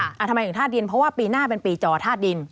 ทำไมถึงธาตุดินเพราะว่าปีหน้าเป็นปีจอธาตุดิน